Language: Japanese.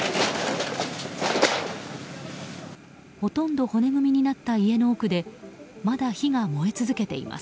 ほとんど骨組みになった家の奥でまだ火が燃え続けています。